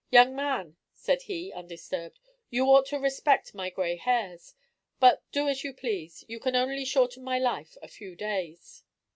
"Young man," said he, undisturbed, "you ought to respect my gray hairs; but do as you please, you can only shorten my life a few days."